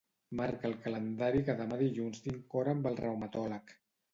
Marca al calendari que demà dilluns tinc hora amb el reumatòleg.